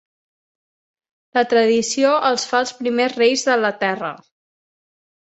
La tradició els fa els primers reis de la terra.